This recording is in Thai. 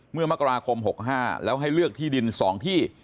เมื่อมกราคม๖๕แล้วให้เลือกที่ดิน๒ที่